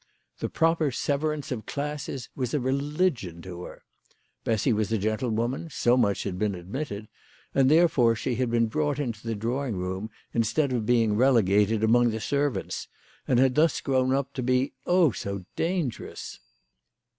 The proper severance of classes was a religion to her. Bessy was a gentlewoman, so much had been admitted, and therefore she had been brought into the drawing room instead of being relegated among the servants, and had thus grown up to be, oh, so dan gerous